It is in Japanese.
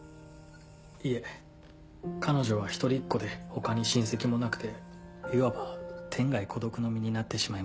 いえ彼女は一人っ子で他に親戚もなくていわば天涯孤独の身になってしまいました。